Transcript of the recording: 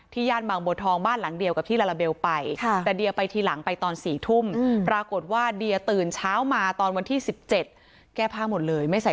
ที่ย่านบังบททองบ้านหลังเดียวกับที่ลาลาเบลไป